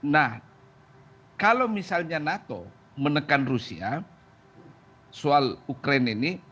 nah kalau misalnya nato menekan rusia soal ukraine ini